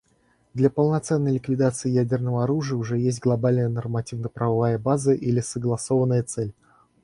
Для полной ликвидации ядерного оружия уже есть глобальная нормативно-правовая база или согласованная цель.